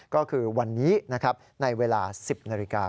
ก็คือวันนี้ในเวลา๑๐นาฬิกา